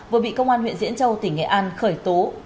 vừa bị công an huyện diễn châu tỉnh nghệ an khởi tố